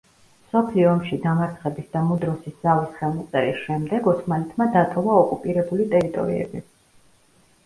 მსოფლიო ომში დამარცხების და მუდროსის ზავის ხელმოწერის შემდეგ ოსმალეთმა დატოვა ოკუპირებული ტერიტორიები.